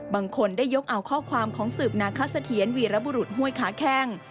บางคนได้ยกเอาข้อความของสืบนาคสะเทียนวีรบุรุษห้วยขาแข้ง